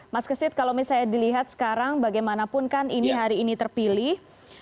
mas kesit kalau misalnya dilihat sekarang bagaimanapun kan ini hari ini terpilih